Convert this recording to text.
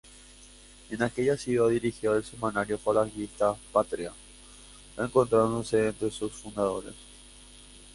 En aquella ciudad dirigió el semanario falangista "Patria", encontrándose entre sus fundadores.